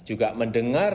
dan juga mendengar